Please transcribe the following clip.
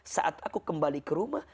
saat aku kembali ke rumah